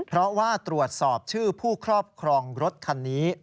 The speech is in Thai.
เพราะว่าตรวจสอบชื่อผู้ครอบครองรถคันนี้